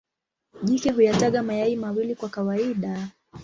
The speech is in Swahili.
Jike huyataga mayai mawili kwa kawaida.